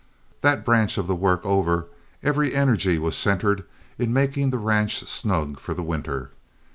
That branch of the work over, every energy was centred in making the ranch snug for the winter.